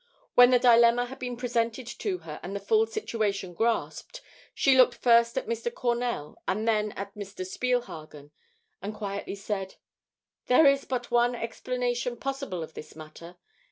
When the dilemma had been presented to her and the full situation grasped, she looked first at Mr. Cornell and then at Mr. Spielhagen, and quietly said: "There is but one explanation possible of this matter.